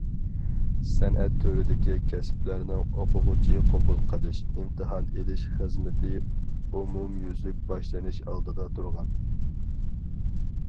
سەنئەت تۈرىدىكى كەسىپلەرنىڭ ئوقۇغۇچى قوبۇل قىلىش، ئىمتىھان ئېلىش خىزمىتى ئومۇميۈزلۈك باشلىنىش ئالدىدا تۇرغان.